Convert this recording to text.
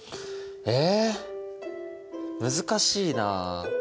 え難しいなあ。